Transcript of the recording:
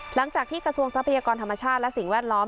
กระทรวงทรัพยากรธรรมชาติและสิ่งแวดล้อม